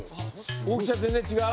大きさ全然違う？